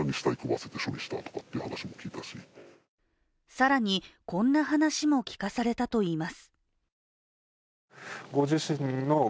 更に、こんな話も聞かされたといいます。